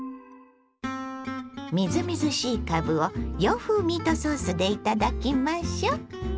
みずみずしいかぶを洋風ミートソースで頂きましょう。